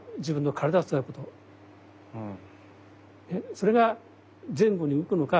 それが前後に動くのか